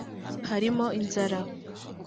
harimo inzara